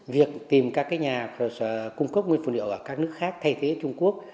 việc tìm các nhà cung cấp nguyên phụ liệu ở các nước khác thay thế trung quốc